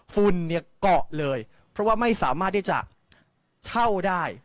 ฝุ่นเนี่ยเกาะเลยเพราะว่าไม่สามารถที่จะเช่าได้